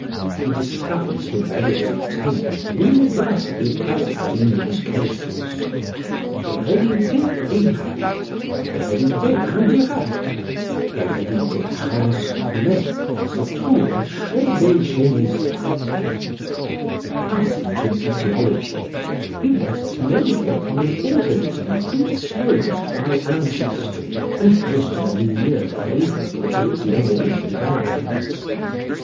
He discovers hereditary taint universally present in these cases. "Hérédité directe, hérédité indirecte, hérédité transformée, se trouve chez les génésiaques." Passing to etiology, he rests mainly upon an organism predisposed by ancestry, and placed in a milieu favourable to its morbid development.